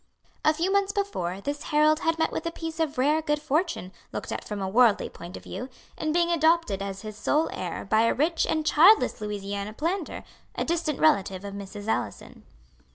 A few months before this Harold had met with a piece of rare good fortune, looked at from a worldly point of view, in being adopted as his sole heir by a rich and childless Louisiana planter, a distant relative of Mrs. Allison.